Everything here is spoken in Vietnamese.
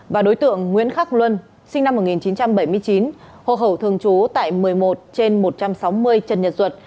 và đối tượng nguyễn khắc luân sinh năm một nghìn chín trăm bảy mươi chín hồ hậu thường trú tại một mươi một trên một trăm sáu mươi trần nhật duật